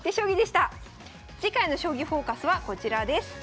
次回の「将棋フォーカス」はこちらです。